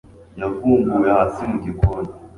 yavumbuwe hasi mu gikoni